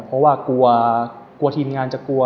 เพราะว่ากลัวกลัวทีมงานจะกลัว